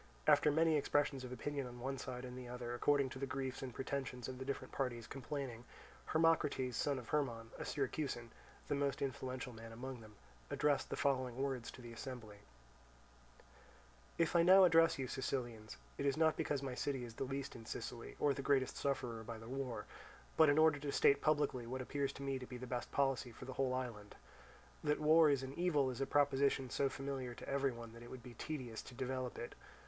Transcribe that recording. After many expressions of opinion on one side and the other, according to the griefs and pretensions of the different parties complaining, Hermocrates, son of Hermon, a Syracusan, the most influential man among them, addressed the following words to the assembly: "If I now address you, Sicilians, it is not because my city is the least in Sicily or the greatest sufferer by the war, but in order to state publicly what appears to me to be the best policy for the whole island. That war is an evil is a proposition so familiar to every one that it would be tedious to develop it.